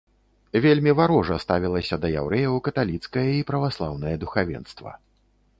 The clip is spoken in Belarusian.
Вельмі варожа ставілася да яўрэяў каталіцкае і праваслаўнае духавенства.